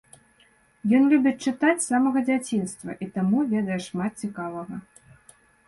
Ён любіць чытаць з самага дзяцінства і таму ведае шмат цікавага.